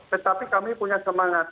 tetapi kami punya semangat